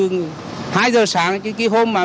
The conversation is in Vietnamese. hai giờ sáng cái hôm mà